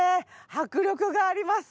迫力があります。